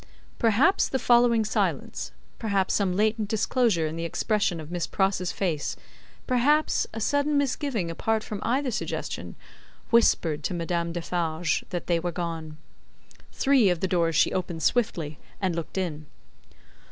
Perhaps the following silence, perhaps some latent disclosure in the expression of Miss Pross's face, perhaps a sudden misgiving apart from either suggestion, whispered to Madame Defarge that they were gone. Three of the doors she opened swiftly, and looked in.